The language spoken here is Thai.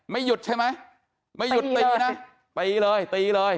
ไม่หยุดใช่ไหมไม่หยุดตีนะตีเลยตีเลย